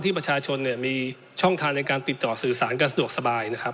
ประชาชนเนี่ยมีช่องทางในการติดต่อสื่อสารกันสะดวกสบายนะครับ